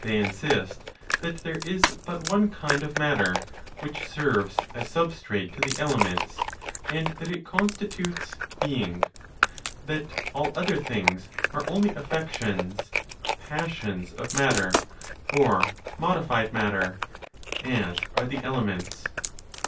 They insist that there is but one kind of matter, which serves as substrate to the elements, and that it constitutes "being"; that all other things are only affections ("passions") of matter, or modified matter: as are the elements.